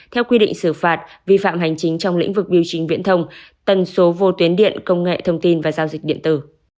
theo quy định xử phạt vi phạm hành chính trong lĩnh vực biểu chính viễn thông tần số vô tuyến điện công nghệ thông tin và giao dịch điện tử